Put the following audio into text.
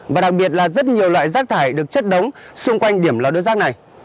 và đặc biệt là rất nhiều loại rác thải được chất đóng xung quanh điểm lò đốt rác này